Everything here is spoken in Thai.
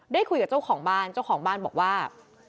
ได้คุยกับเจ้าของบ้านเจ้าของบ้านบอกว่า